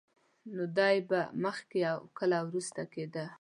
نو دی به کله مخکې او کله وروسته کېده.